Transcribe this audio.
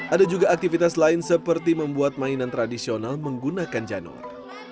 ada juga aktivitas lain seperti membuat mainan tradisional menggunakan janur